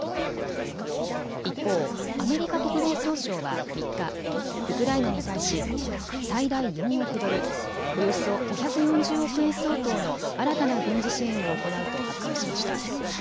一方、アメリカ国防総省は３日、ウクライナに対し最大４億ドル、およそ５４０億円相当の新たな軍事支援を行うと発表しました。